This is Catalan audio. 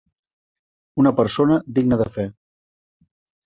Una persona digna de fe.